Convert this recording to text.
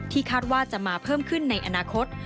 คาดว่าจะมาเพิ่มขึ้นในอนาคต